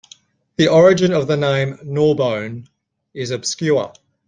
The origin of the name Gnaw Bone is obscure.